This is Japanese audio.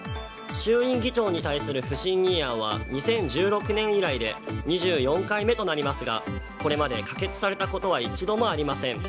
衆院議長に対する不信任案は２０１６年以来で２４回目となりますがこれまで可決されたことは一度もありません。